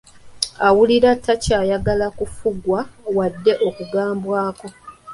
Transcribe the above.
Awulira takyayagala kufugwa wadde okugambwako.